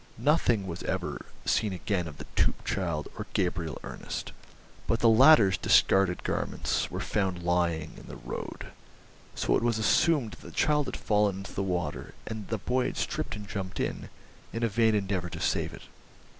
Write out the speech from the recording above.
Nothing was ever seen again of the Toop child or Gabriel Ernest, but the latter's discarded garments were found lying in the road so it was assumed that the child had fallen into the water, and that the boy had stripped and jumped in, in a vain endeavour to save it.